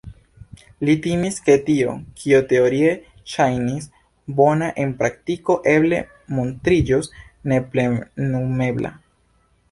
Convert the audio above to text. Li timis, ke tio, kio teorie ŝajnis bona, en praktiko eble montriĝos neplenumebla.